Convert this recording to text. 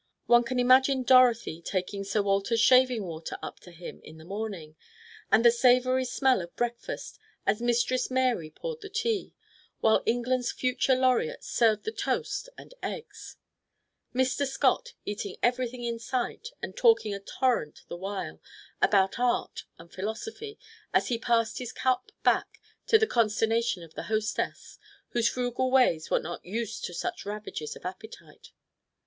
One can imagine Dorothy taking Sir Walter's shaving water up to him in the morning; and the savory smell of breakfast as Mistress Mary poured the tea, while England's future laureate served the toast and eggs: Mr. Scott eating everything in sight and talking a torrent the while about art and philosophy as he passed his cup back, to the consternation of the hostess, whose frugal ways were not used to such ravages of appetite.